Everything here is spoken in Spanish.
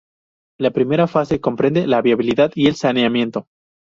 La primera fase comprende la viabilidad y saneamiento.